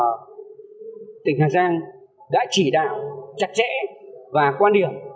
tôi rất mừng khi mà tỉnh hà giang đã chỉ đạo chặt chẽ và quan điểm